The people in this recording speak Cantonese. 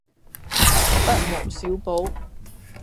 不無小補